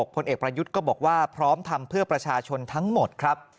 พลเอกประยุทธ์ก็บอกว่าพร้อมทำเพื่อประชาชนทั้งหมดครับ